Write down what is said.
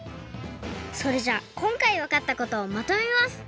それじゃあこんかいわかったことをまとめます！